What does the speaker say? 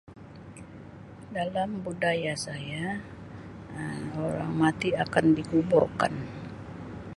Dalam budaya saya Um orang mati akan dikuburkan.